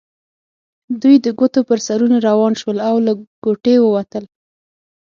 دوی د ګوتو پر سرونو روان شول او له کوټې ووتل.